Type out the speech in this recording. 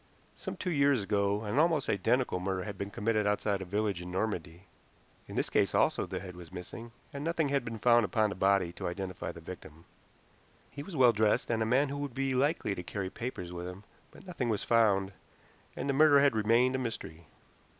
Some two years ago an almost identical murder had been committed outside a village in Normandy. In this case also the head was missing, and nothing had been found upon the body to identify the victim. He was well dressed, and a man who would be likely to carry papers with him, but nothing was found, and the murder had remained a mystery.